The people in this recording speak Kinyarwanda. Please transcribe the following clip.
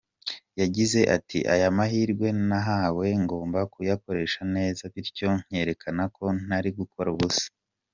Yagize ati “Aya mahirwe nahawe ngomba kuyakoresha neza bityo nkerekana ko ntari gukora ubusa.